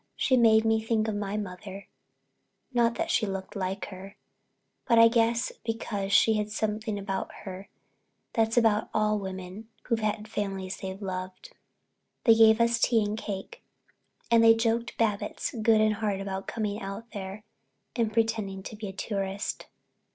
She made me think of my mother, not that she looked like her, but I guess because she had something about her that's about all women who've had families they loved. They gave us tea and cake and they joked Babbitts good and hard about coming out there and pretending to be a tourist.